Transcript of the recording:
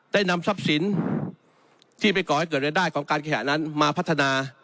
ได้นำทรัพย์สินที่ไปก่อให้เกิดรายได้ของการแข่งนั้นมาพัฒนา